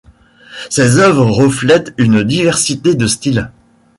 Ses œuvres reflètent une diversité de styles.